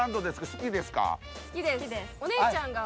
お姉ちゃんが。